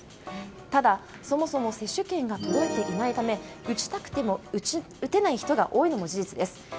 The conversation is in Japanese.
ただそもそも接種券が届いていないため打ちたくても打てない人が多いのも事実です。